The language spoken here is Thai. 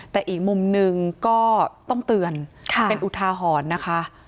แต่อีกมุมหนึ่งก็ต้องเตือนเป็นอุทาหรณ์นะคะ